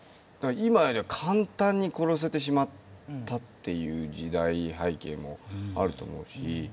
今よりは簡単に殺せてしまったっていう時代背景もあると思うし。